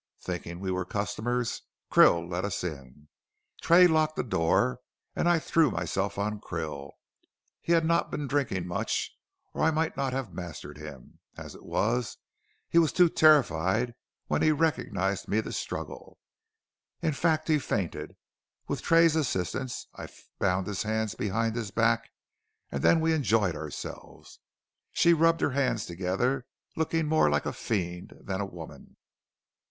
Thinking we were customers Krill let us in. Tray locked the door, and I threw myself on Krill. He had not been drinking much or I might not have mastered him. As it was, he was too terrified when he recognized me to struggle. In fact he fainted. With Tray's assistance I bound his hands behind his back, and then we enjoyed ourselves," she rubbed her hands together, looking more like a fiend than a woman.